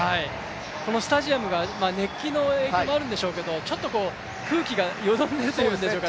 このスタジアムが熱気の影響もあるんでしょうけどちょっと空気がよどんでいるというんでしょうか。